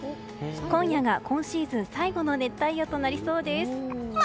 今夜が今シーズン最後の熱帯夜となりそうです。